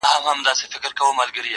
• خو دايوه پوښتنه دا کوم چي ولي ريشا ,